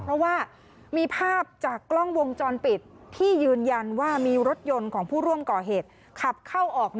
เพราะว่ามีภาพจากกล้องวงจรปิดที่ยืนยันว่ามีรถยนต์ของผู้ร่วมก่อเหตุขับเข้าออก